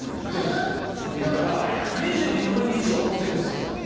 だから、２２の上にイチゴ乗ってるんですよ。